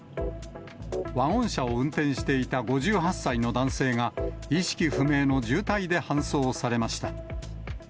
ワゴン車を運転していた５８歳の男性が、意識不明の重体で搬送されました。